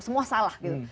semua salah gitu